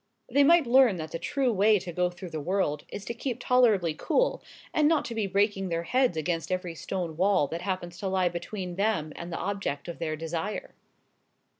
They might learn that the true way to go through the world, is to keep tolerably cool, and not to be breaking their heads against every stone wall that happens to lie between them and the object of their desire.